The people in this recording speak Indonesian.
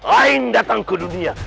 aing datang ke dunia